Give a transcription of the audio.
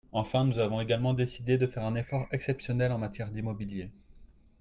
Enfin, nous avons également décidé de faire un effort exceptionnel en matière d’immobilier.